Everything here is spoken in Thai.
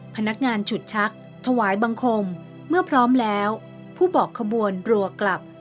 พนักงานฉุดชักถวายบังคมเมื่อพร้อมแล้วผู้บอกขบวนรัวกลับ